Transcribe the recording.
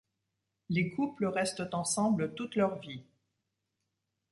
Les couples restent ensemble toute leur vie.